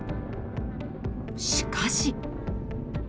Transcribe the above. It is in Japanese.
しかし。